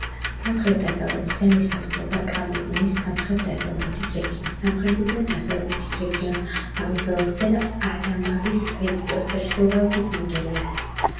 სამხრეთ-დასავლეთიდან ესაზღვრება კამერუნის სამხრეთ-დასავლეთის რეგიონს, სამხრეთიდან დასავლეთის რეგიონს, აღმოსავლეთიდან ადამავის რეგიონს და ჩრდილოეთით ნიგერიას.